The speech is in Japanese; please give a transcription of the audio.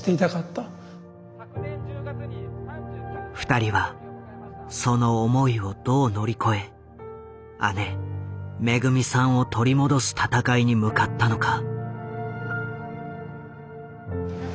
２人はその思いをどう乗り越え姉・めぐみさんを取り戻す闘いに向かったのか？